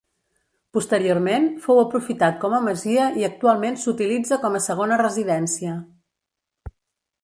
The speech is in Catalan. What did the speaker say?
Posteriorment fou aprofitat com a masia i actualment s'utilitza com a segona residència.